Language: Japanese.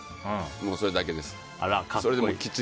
それだけです。